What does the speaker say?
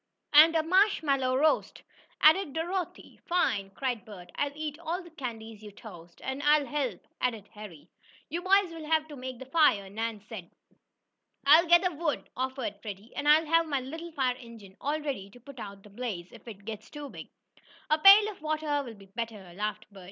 "And a marshmallow roast!" added Dorothy. "Fine!" cried Bert. "I'll eat all the candies you toast!" "And I'll help!" added Harry. "You boys will have to make the fire," Nan said. "I'll gather wood!" offered Freddie. "And I'll have my little fire engine all ready to put out the blaze, if it gets too big." "A pail of water will be better," laughed Bert.